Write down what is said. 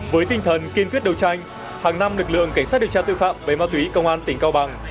với tinh thần kiên quyết đấu tranh hàng năm lực lượng cảnh sát điều tra tội phạm về ma túy công an tỉnh cao bằng